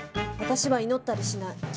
私は祈ったりしない。